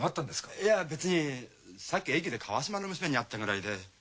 いや別にさっき駅で川島の娘に会ったくらいで。